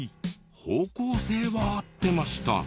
方向性は合ってました。